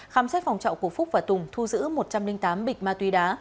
khám xét phòng trọ của phúc và tùng thu giữ một trăm linh tám bịch ma túy đá